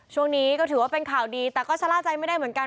ช่วงนี้ก็ถือว่าเป็นข่าวดีแต่ก็ชะล่าใจไม่ได้เหมือนกัน